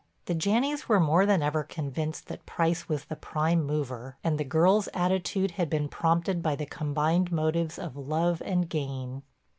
The Janneys were more than ever convinced that Price was the prime mover, and the girl's attitude had been prompted by the combined motives of love and gain.